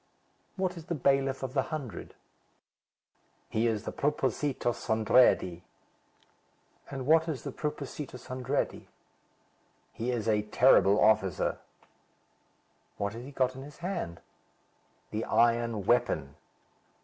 "What is the bailiff of the hundred?" "He is the proepositus hundredi." "And what is the proepositus hundredi?" "He is a terrible officer." "What has he got in his hand?" "The iron weapon."